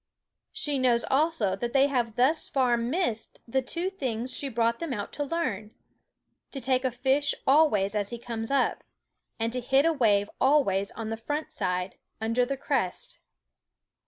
She knows also that they have thus far missed the two things she brought them out to learn: to take a fish always as he comes up; and to hit a wave always on the front side, under the crest.